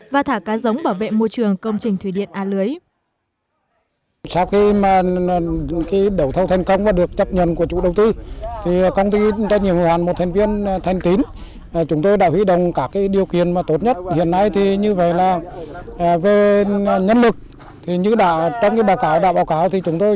và thả cá giống bảo vệ môi trường công trình thủy điện a lưới